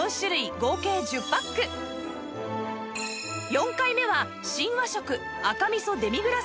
４回目は新和食赤味噌デミグラス